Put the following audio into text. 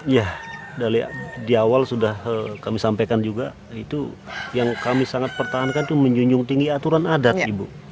ya dari di awal sudah kami sampaikan juga itu yang kami sangat pertahankan itu menjunjung tinggi aturan adat ibu